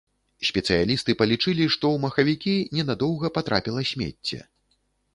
Спецыялісты палічылі, што ў махавікі ненадоўга патрапіла смецце.